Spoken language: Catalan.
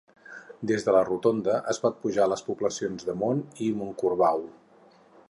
Des de la rotonda es pot pujar a les poblacions de Mont i Montcorbau.